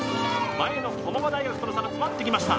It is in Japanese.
前の駒場大学との差が詰まってきました